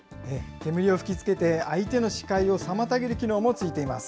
煙を吹きつけて、相手の視界を妨げる機能も付いています。